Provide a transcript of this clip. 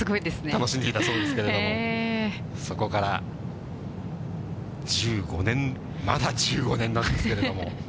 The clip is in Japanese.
楽しんでいたそうですけれども、そこから１５年、まだ１５年なんですけれども。